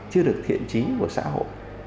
chưa được thiện trí của xã hội